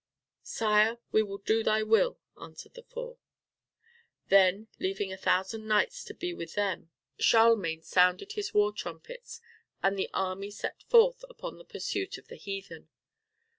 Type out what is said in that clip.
"Sire we will do thy will," answered the four. Then, leaving a thousand knights to be with them, Charlemagne sounded his war trumpets, and the army set forth upon the pursuit of the heathen.